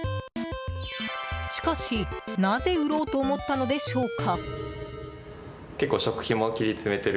しかし、なぜ売ろうと思ったのでしょうか？